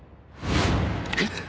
えっ！？